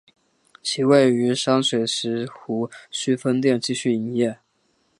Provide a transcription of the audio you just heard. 其位于上水石湖墟分店继续营业。